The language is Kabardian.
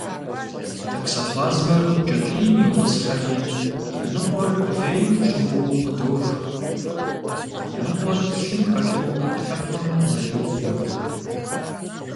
Токсоплазмэр кӏэтӏийм йотӏысхьэри, и ныкъуэр вейм щӏыгъуу къыдох, и ныкъуэр лъым хэту ӏэпкълъэпкъым зреубгъуэ.